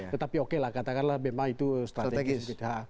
tetapi oke lah katakanlah memang itu strategis kita